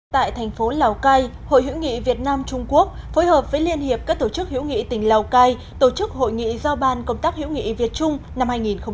tại thành phố lào cai hội hữu nghị việt nam trung quốc phối hợp với liên hiệp các tổ chức hữu nghị tỉnh lào cai tổ chức hội nghị giao ban công tác hữu nghị việt trung năm hai nghìn một mươi chín